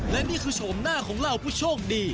และนี่คือโฉมหน้าของเหล่าผู้โชคดี